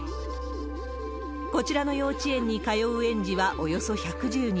こちらの幼稚園に通う園児はおよそ１１０人。